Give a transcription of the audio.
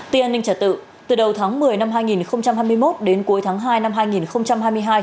tin an ninh trả tự từ đầu tháng một mươi năm hai nghìn hai mươi một đến cuối tháng hai năm hai nghìn hai mươi hai